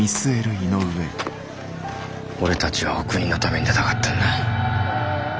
俺たちはお国のために戦ったんだ。